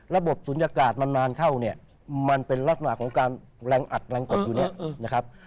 ศูนยากาศมันนานเข้าเนี่ยมันเป็นลักษณะของการแรงอัดแรงกดอยู่เนี่ยนะครับ